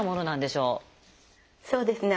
そうですね